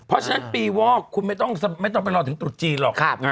เพราะฉะนั้นปีวอกคุณไม่ต้องไปรอถึงตรุษจีนหรอก